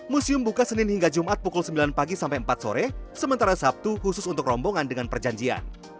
museum buka senin hingga jumat pukul sembilan pagi sampai empat sore sementara sabtu khusus untuk rombongan dengan perjanjian